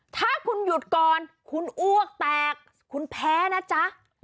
ถ้าคุณหยุดก่อนคุณอ้วกแตกคุณแพ้นะจ๊ะ